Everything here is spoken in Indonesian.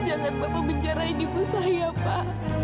jangan bapak bicarain ibu saya pak